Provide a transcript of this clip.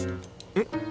えっ？